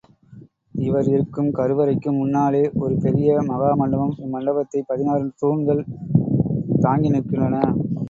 இவர் இருக்கும் கருவறைக்கு முன்னாலே ஒரு பெரிய மகா மண்டபம் இம் மண்டபத்தைப் பதினாறு தூண்கள் தாங்கி நிற்கின்றன.